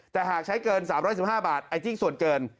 แต่หากใช้เกิน๓๑๕บาทไอ้จิ้งส่วนเกิน